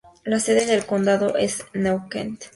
La sede del condado es New Kent.